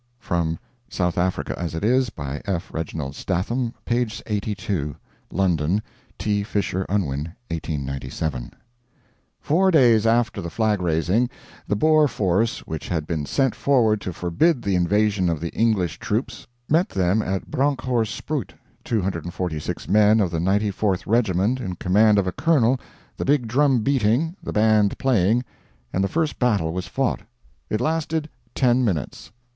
["South Africa As It Is," by F. Reginald Statham, page 82. London: T. Fisher Unwin, 1897.] Four days after the flag raising, the Boer force which had been sent forward to forbid the invasion of the English troops met them at Bronkhorst Spruit 246 men of the 94th regiment, in command of a colonel, the big drum beating, the band playing and the first battle was fought. It lasted ten minutes.